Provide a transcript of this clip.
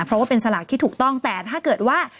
เพราะว่าเป็นสลากที่ถูกต้องแต่ถ้าเกิดว่า